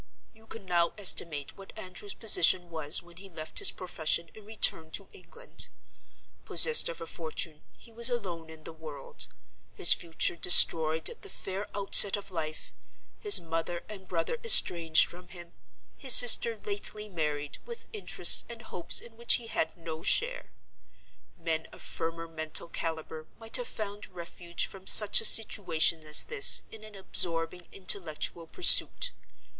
"You can now estimate what Andrew's position was when he left his profession and returned to England. Possessed of a fortune, he was alone in the world; his future destroyed at the fair outset of life; his mother and brother estranged from him; his sister lately married, with interests and hopes in which he had no share. Men of firmer mental caliber might have found refuge from such a situation as this in an absorbing intellectual pursuit.